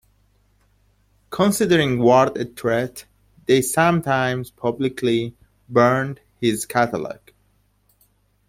Considering Ward a threat, they sometimes publicly burned his catalog.